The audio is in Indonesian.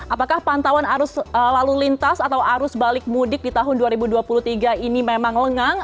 apakah pantauan arus lalu lintas atau arus balik mudik di tahun dua ribu dua puluh tiga ini memang lengang